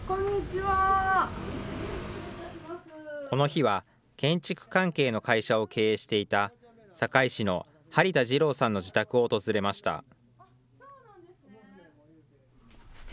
この日は、建築関係の会社を経営していた、堺市の幡田二郎さんの自宅を訪れました。